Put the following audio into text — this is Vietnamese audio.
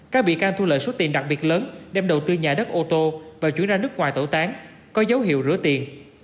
các bị can thu lợi số tiền đặc biệt lớn đem đầu tư nhà đất ô tô và chuyển ra nước ngoài tẩu tán có dấu hiệu rửa tiền